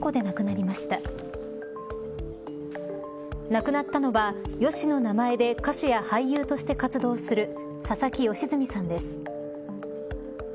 亡くなったのはＹＯＳＨＩの名前で歌手や俳優として活動する佐々木嘉純さんです。